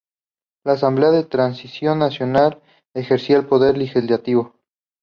La Asamblea de Transición Nacional ejercía el poder legislativo.